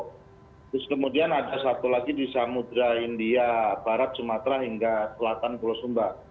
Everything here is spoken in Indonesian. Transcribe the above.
terus kemudian ada satu lagi di samudera india barat sumatera hingga selatan pulau sumba